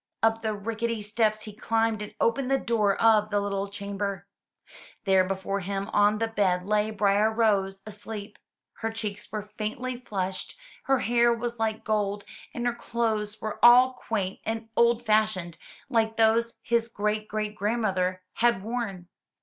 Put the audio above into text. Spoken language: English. Up the rickety steps he climbed and opened the door of the little chamber. There before him on the bed lay Briar rose asleep. Her cheeks were faintly flushed, her hair was like gold, and her clothes were all quaint and old fashioned, like those his great great grandmother had worn.